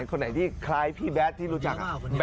คนไหนที่คล้ายพี่แบทที่รู้จัก